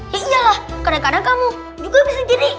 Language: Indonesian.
ya iyalah kadang kadang kamu juga bisa jadi